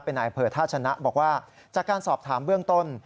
นายอำเภอท่าชนะบอกว่าจากการสอบถามเบื้องต้น